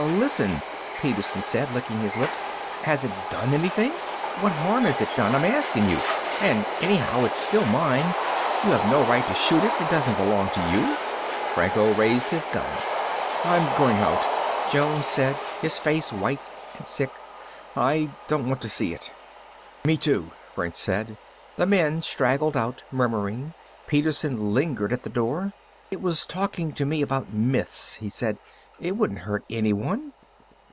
"Listen," Peterson said, licking his lips. "Has it done anything? What harm has it done? I'm asking you. And anyhow, it's still mine. You have no right to shoot it. It doesn't belong to you." Franco raised his gun. "I'm going out," Jones said, his face white and sick. "I don't want to see it." "Me, too," French said. The men straggled out, murmuring. Peterson lingered at the door. "It was talking to me about myths," he said. "It wouldn't hurt anyone."